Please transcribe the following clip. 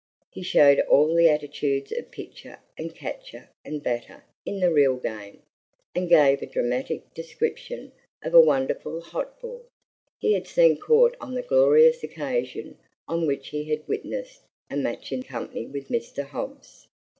He showed all the attitudes of pitcher and catcher and batter in the real game, and gave a dramatic description of a wonderful "hot ball" he had seen caught on the glorious occasion on which he had witnessed a match in company with Mr. Hobbs.